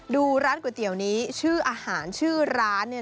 ดูร้านก๋วยเตี๋ยวนี้ชื่ออาหารชื่อร้านเนี่ย